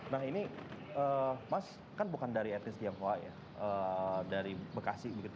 nah ini mas kan bukan dari etnis tiafua ya dari bekasi maksudnya asli